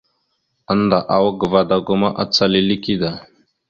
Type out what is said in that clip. Annda awak ga vadago ma, acal ille kida.